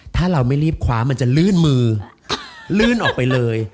ถ้าเราไม่รีบคว้ามันจะลื่นมือลื่นออกไปเลย